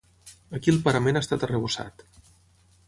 Aquí el parament ha estat arrebossat.